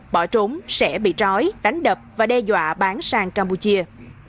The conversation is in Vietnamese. bỏ trốn sẽ bị trói đánh đập và đe dọa bán sang campuchia